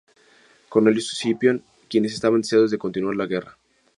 Cornelio Escipión, quienes estaban deseosos de continuar la guerra.